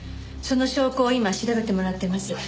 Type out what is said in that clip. その証拠を今調べてもらってます。